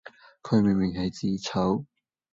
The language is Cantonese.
佢明明係自炒